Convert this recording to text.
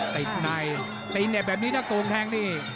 ติดในตีนเนี่ยแบบนี้ถ้าโกงแทงนี่